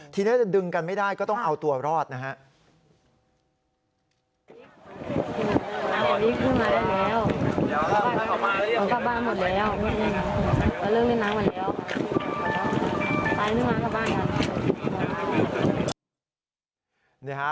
ทีนี้จะดึงกันไม่ได้ก็ต้องเอาตัวรอดนะฮะ